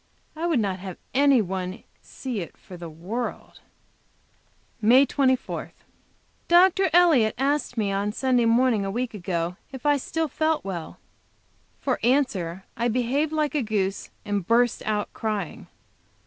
I would not have any one see it for the world. MAY 24. Dr. Elliott asked me on Sunday morning a week ago if I still felt well. For answer I behaved like a goose, and burst out crying.